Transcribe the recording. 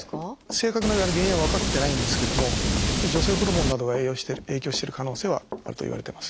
正確な原因は分かってないんですけども女性ホルモンなどが影響してる可能性はあるといわれてます。